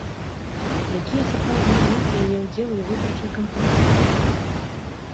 Якія сапраўдныя мэты яе ўдзелу ў выбарчай кампаніі?